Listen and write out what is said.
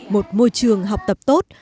một môi trường học tập tốt